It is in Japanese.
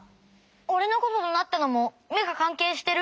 おれのことどなったのもめがかんけいしてる？